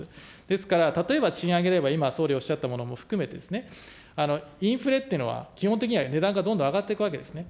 ですから、例えば賃上げでは、今、総理おっしゃったものも含めてですね、インフレっていうのは、基本的には値段がどんどん上がっていくわけですね。